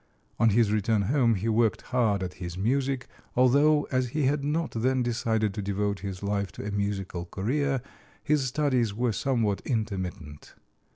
On his return home he worked hard at his music, although as he had not then decided to devote his life to a musical career, his studies were somewhat intermittent.